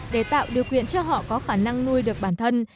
để tạo điều kiện cho họ có khả năng nuôi được bản thân